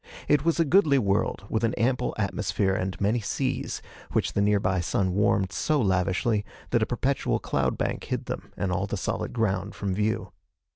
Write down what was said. It was a goodly world, with an ample atmosphere and many seas, which the nearby sun warmed so lavishly that a perpetual cloud bank hid them and all the solid ground from view.